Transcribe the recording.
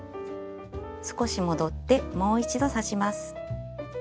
少し戻ってもう一度刺します。